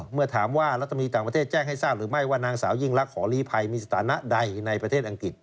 เมื่อถามว่ารัฐมีต่างประเทศแจ้งให้ทราบหรือไม่ว่านางสาวยิ่งรักขอลีภัยมีสถานะใดในประเทศอังกฤษ